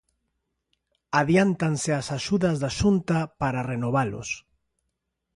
Adiántanse as axudas da Xunta para renovalos.